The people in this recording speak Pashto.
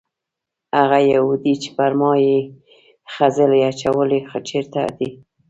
هغه یهودي چې پر ما یې خځلې اچولې چېرته دی؟